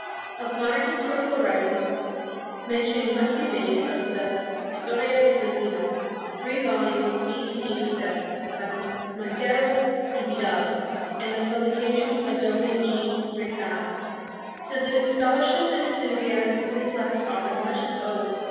Of modern historical writings mention must be made of the Historia de Filipinas, three volumes, 1887, by Montero y Vidal, and the publications of W. E. Retana. To the scholarship and enthusiasm of this last author much is owed.